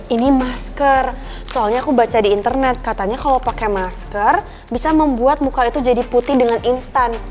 ini masker soalnya aku baca di internet katanya kalau pakai masker bisa membuat muka itu jadi putih dengan instan